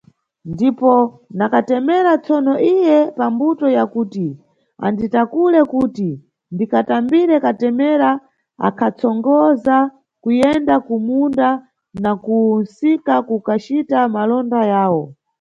Ndipo na katemera, tsono iye pa mbuto ya kuti anditakule kuti ndikatambire katemera, akhatsogoza kuyenda ku munda na ku msika kukacita malonda yawo.